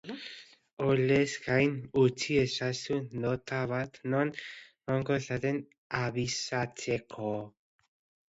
Horrez gain, utzi ezazu nota bat non egongo zaren abisatzeko.